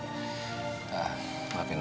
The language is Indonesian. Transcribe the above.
aku tidak ingin membiarkan kamu harapan